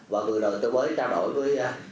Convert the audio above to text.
và vừa rồi tôi mới trao đổi với